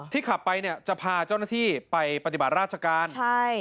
ขับไปเนี่ยจะพาเจ้าหน้าที่ไปปฏิบัติราชการใช่